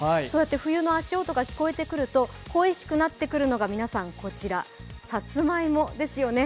冬の足音が聞こえてくると恋しくなってくるのが、皆さん、こちら、さつまいもですよね。